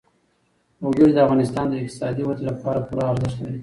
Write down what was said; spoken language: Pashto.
وګړي د افغانستان د اقتصادي ودې لپاره پوره ارزښت لري.